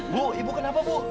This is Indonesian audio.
bu ibu kenapa bu